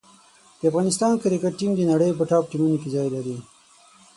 د افغانستان کرکټ ټیم د نړۍ په ټاپ ټیمونو کې ځای لري.